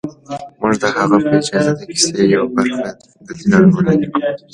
موږ د هغه په اجازه د کیسې یوه برخه دلته وړاندې کوو